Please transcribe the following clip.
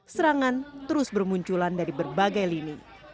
serangan terus bermunculan dari berbagai lini